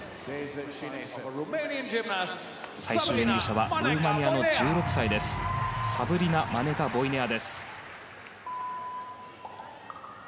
最終演技者はルーマニアの１６歳サブリナ・マネカ・ボイネア。